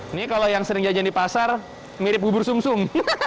ini kalau yang sering jajan di pasar mirip bubur sum sum